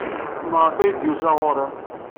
Maɣef ay d-yusa ɣer-i?